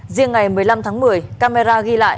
riêng ngày một mươi năm tháng một mươi camera ghi lại